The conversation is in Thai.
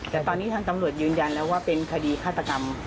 แต่ตอนนี้ทางตำรวจยืนยันแล้วว่าเป็นคดีฆาตกรรม